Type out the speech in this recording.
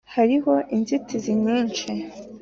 hariho inzitizi nyinshi